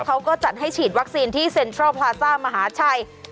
เขาก็จัดให้ฉีดวัคซีนที่เซ็นทรัลพลาซ่ามหาชัย